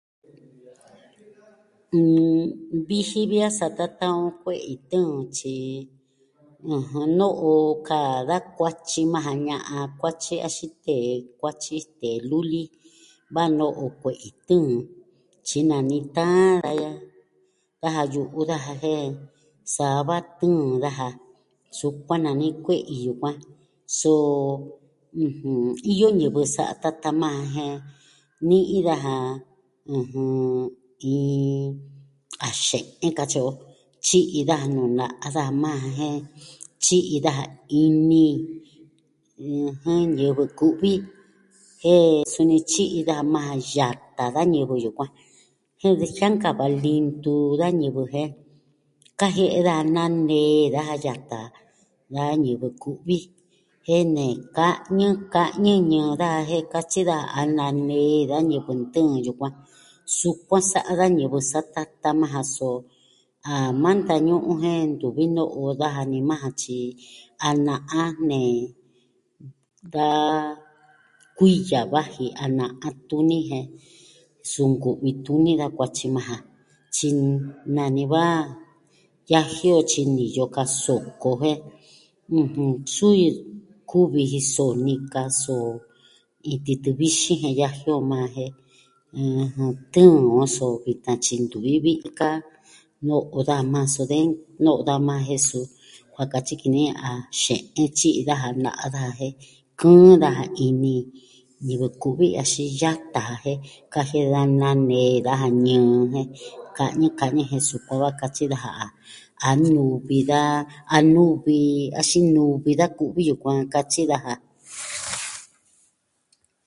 Mm.. viji vi a satatan on kue'i tɨɨn, tyi no'o ka da kuatyi majan, ña'an kuatyi axin tee kuatyi, tee luli, va no'o kue'i tɨɨn tyi nani taan daja ya'a, daja yu'u daja jen sa va tɨɨn daja. Sukuan nani kue'i yukuan. So, ɨjɨn, iyo ñivɨ satatan majan jen ni'i daja, ɨjɨn, iin a xe'en katyi o, tyi'i daja nuu na'a daja majan jen tyi'i daja ini ñivɨ ku'vi jen suni tyi'i daja majan yata da ñivɨ yukuan jen de jiankava lintu da ñivɨ jen kajie'e daja na nee daja yata. da ñivɨ ku'vi jen nee ka'ñɨ ka'ñɨ ñɨɨ daja jen katyi daja a nanee da ñivɨ ntɨɨn yukuan. Sukuan sa'a da ñivɨ satatan majan, so a mantañu'un jen ntuvi no'o daja ni majan tyi a na'a nee da kuiya vaji a na'a tuni jen suu nkuvi tuni da kuatyi majan, tyi, nani va yaji o tyi niyo ka soko jen suu kuvi jiso nika so iin titɨ vixin jen yaji o majan jen, ɨjɨn, tɨɨn o so vitan tyi ntuvi vi'i ka no'o daja majan so de, no' daja majan jen so, kua katyi ki ni a xe'en tyiji daja na'a daja jen kɨɨn daja ini ñivɨ ku'vi axin yata ja jen kajie'e daja nanee daja ñɨɨ jin, ka'ñɨ ka'ñɨ jen sukava katyi daja a nuvi daja, a nuvi axin nuvi da kuvi yukuan katyi daja.